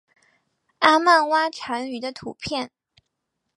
阿曼蛙蟾鱼的图片